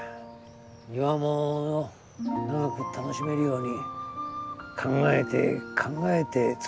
庭も長く楽しめるように考えて考えて作ってあるんだ。